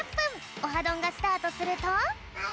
「オハどん！」がスタートすると。